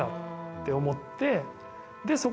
って思って。